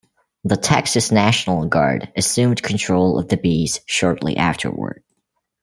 The Texas National Guard assumed control of the base shortly afterward.